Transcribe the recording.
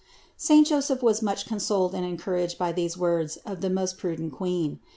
Saint Joseph was much consoled and encour aged by these words of the most prudent Queen.